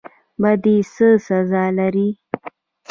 بدی څه سزا لري؟